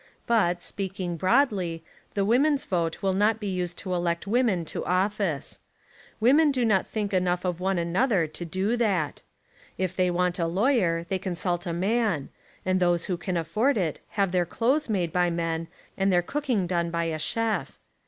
But, speaking broadly, the women's vote will not be used to elect women to office. Women do not 150 The Woman Question think enough of one another to do that. If they want a lawyer they consult a man, and those who can afford it have their clothes' made by men, and their cooking done by a chef.